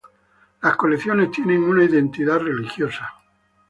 Las colecciones tienen una identidad religiosa.